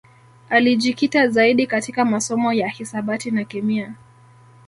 Alijikita zaidi katika masomo ya hisabati na kemia